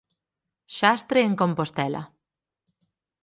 Xastre en Compostela.